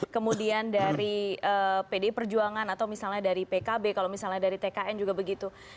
kemudian dari pdi perjuangan atau misalnya dari pkb kalau misalnya dari tkn juga begitu